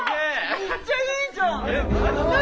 めっちゃいいじゃん！何？